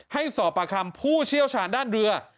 ให้สอบประคำผู้เชี่ยวชาญด้านเรือ